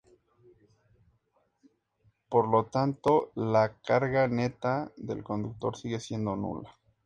Por lo tanto la carga neta del conductor sigue siendo nula.